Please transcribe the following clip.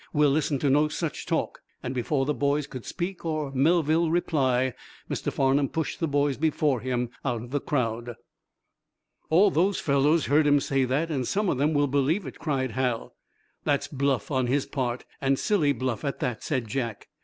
We'll listen to no such talk," and before the boys could speak or Melville reply Mr. Farnum pushed the boys before him out of the crowd. "All those fellows heard him say that, and some of them will believe it!" cried Hal. "That's bluff on his part, and silly bluff, at that," said Jack.